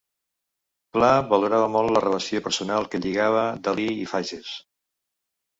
Pla valorava molt la relació personal que lligava Dalí i Fages.